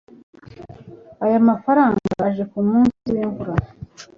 Aya mafranga aje kumunsi wimvura.